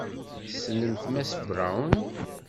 Tessnemt Mass Brown?